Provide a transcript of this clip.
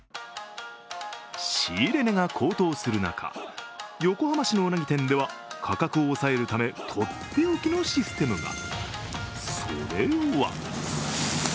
仕入れ値が高騰する中、横浜市のうなぎ店では、価格を抑えるため、とっておきのシステムが。